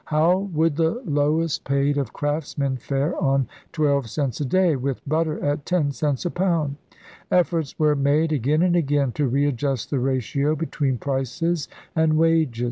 How would the lowest 58 ELIZABETHAN SEA DOGS paid of craftsmen fare on twelve cents a day, with butter at ten cents a pound ? Efforts were made, again and again, to readjust the ratio between prices and wages.